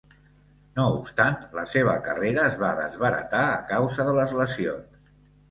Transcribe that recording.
No obstant, la seva carrera es va desbaratar a causa de les lesions.